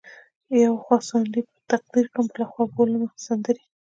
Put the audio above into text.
یو خوا ساندې په تقدیر کړم بل خوا بولمه سندرې